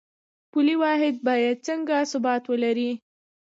پولي واحد باید څنګه ثبات ولري؟